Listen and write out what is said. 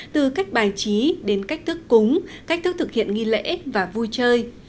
từ cách bài trí đến cách thức cúng cách thức thực hiện nghi lễ và vui chơi